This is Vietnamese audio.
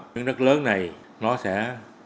miếng đất lớn này nó sẽ được đồng hành